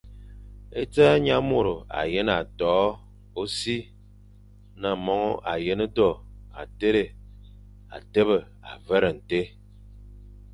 E dza, nyamôro â yén a toʼo ô si, na mongo a yén do, â téré a tebe a vere ntén.